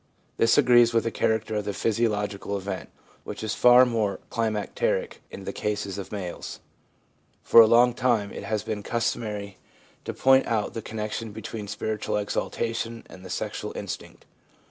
This agrees with the character of the physiological event, which is far more climacteric in the case of males. For a long time it has ADOLESCENCE— SPONTANEOUS AWAKENINGS 207 been customary to point out the connection between spiritual exaltation and the sexual instinct.